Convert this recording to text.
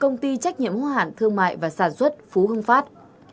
công ty trách nhiệm hóa hạn thương mại và sản xuất phú hưng phát